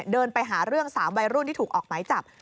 เดินไปหาเรื่อง๓วัยรุ่นที่ถูกออกหมายจับ